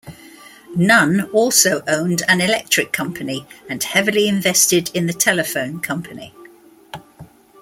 Nunn also owned an electric company, and heavily invested in the telephone company.